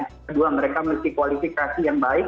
kedua mereka memiliki kualifikasi yang baik